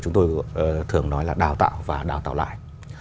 chúng tôi thường nói là đào tạo và đào tạo lại